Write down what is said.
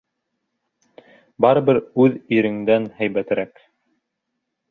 Барыбер үҙ иреңдән һәйбәтерәк.